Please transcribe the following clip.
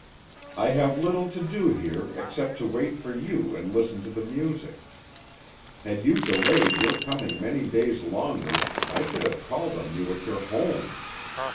I have little to do here except to wait for you and listen to the music. Had you delayed your coming many days longer I should have called on you at your home.